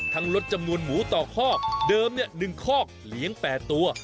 ทั้งลดจำนวนหมูต่อคอกเดิมเนี่ย๑คอกเลี้ยง๘ตัว